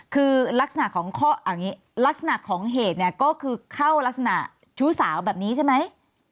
คือลักษณะของเหตุเนี่ยก็คือเข้าลักษณะชู้สาวแบบนี้ใช่ไหม